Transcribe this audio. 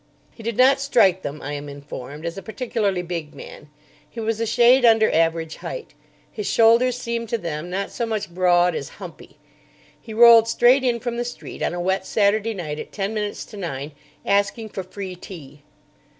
He did not strike them, I am informed, as a particularly big man. He was a shade under average height. His shoulders seemed to them not so much broad as "humpy." He rolled straight in from the street on a wet Saturday night at ten minutes to nine, asking for "free tea."